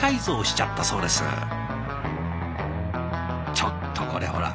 ちょっとこれほら。